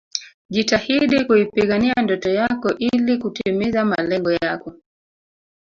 Jitahidi kuipigania ndoto yako ili kutimiza malengo yako